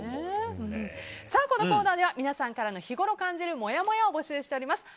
このコーナーでは皆さんからの日ごろ感じるもやもやを募集しております。